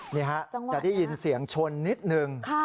นี่ฮะจะได้ยินเสียงชนนิดนึง